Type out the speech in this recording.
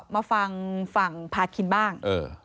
มาฟังภาคอิคกี้บ้าง